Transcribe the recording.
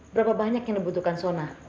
berapa banyak yang dibutuhkan sona